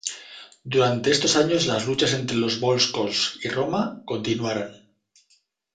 Durante estos años las luchas entre los volscos y Roma continuaron.